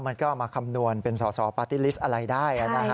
เอามาคำนวณเป็นสอสอปาร์ตี้ลิสต์อะไรได้